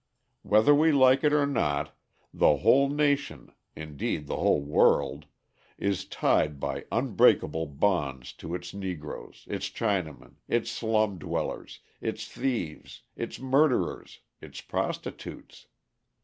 Whether we like it or not the whole nation (indeed, the whole world) is tied by unbreakable bonds to its Negroes, its Chinamen, its slum dwellers, its thieves, its murderers, its prostitutes.